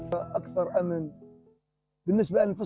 saya menjaga mereka